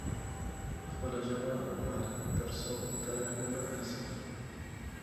خپله ژبه وپالئ ترڅو تاریخ مو ورک نه سي.